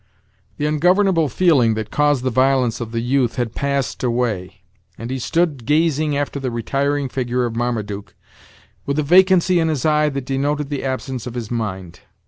The ungovernable feeling that caused the violence of the youth had passed away, and he stood gazing after the retiring figure of Marmaduke, with a vacancy in his eye that denoted the absence of his mind.